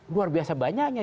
luar biasa banyaknya